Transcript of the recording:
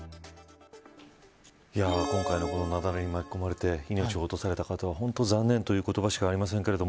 今回の雪崩に巻き込まれて命を落とされた方は本当に残念という言葉しかありません。